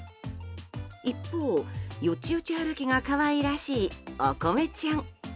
一方、よちよち歩きが可愛らしいおこめちゃん。